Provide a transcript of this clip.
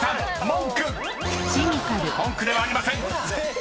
［「文句」ではありません］